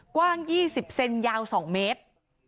กว้าง๒๐เซนยาว๒เมตร